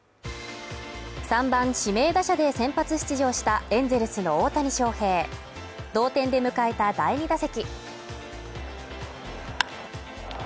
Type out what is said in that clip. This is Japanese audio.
３番・指名打者で先発出場したエンゼルスの大谷翔平同点で迎えた第２打席。